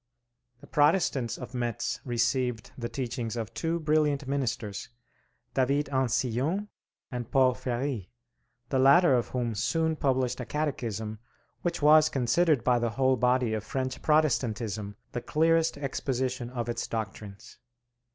The Protestants of Metz received the teachings of two brilliant ministers, David Ancillon and Paul Ferri, the latter of whom soon published a Catechism which was considered by the whole body of French Protestantism the clearest exposition of its doctrines.